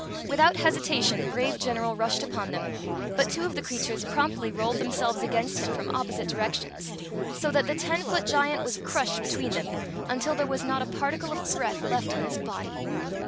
Without hesitation the brave general rushed upon them ; but two of the creatures promptly rolled themselves against him from opposite direc tions^ so that the ten foot giant was crushed between Story of the Magic Cloak ai7 them until there was not a particle of breath left in his body.